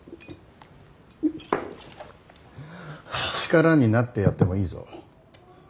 力になってやってもいいぞ。